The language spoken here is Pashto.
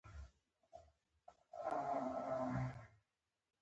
ازادي راډیو د اداري فساد په اړه د عبرت کیسې خبر کړي.